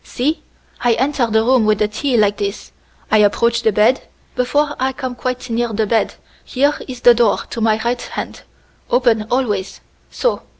"See! I enter the room with the tea like this. I approach the bed. Before I come quite near the bed, here is the door to my right hand open, always so!